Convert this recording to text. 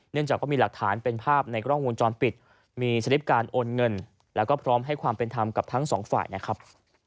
จากว่ามีหลักฐานเป็นภาพในกล้องวงจรปิดมีสลิปการโอนเงินแล้วก็พร้อมให้ความเป็นธรรมกับทั้งสองฝ่ายนะครับ